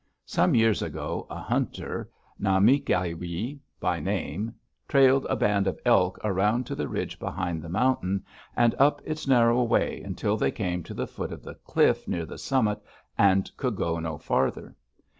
Some years ago a hunter, Na mik´ ai yi by name, trailed a band of elk around to the ridge behind the mountain and up its narrow way until they came to the foot of the cliff near the summit and could go no farther.